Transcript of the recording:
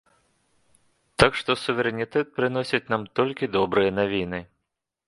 Так што суверэнітэт прыносіць нам толькі добрыя навіны.